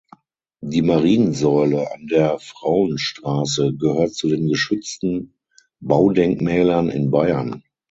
Die Mariensäule an der Frauenstraße gehört zu den geschützten Baudenkmälern in Bayern.